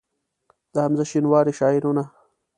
د حمزه شینواري شعرونه